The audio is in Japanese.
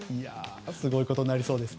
すごいことになりそうです。